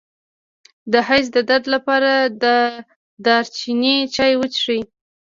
د حیض د درد لپاره د دارچینی چای وڅښئ